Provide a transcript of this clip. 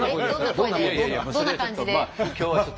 どんな感じで？